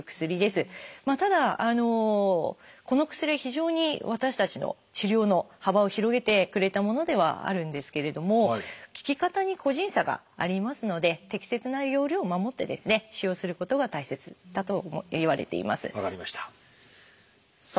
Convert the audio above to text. ただこの薬は非常に私たちの治療の幅を広げてくれたものではあるんですけれども効き方に個人差がありますので適切な用量を守って使用することが大切だといわれています。